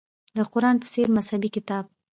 د قران په څېر مذهبي کتاب.